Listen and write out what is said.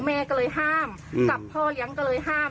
แม่ก็เลยห้ามกับพ่อเลี้ยงก็เลยห้าม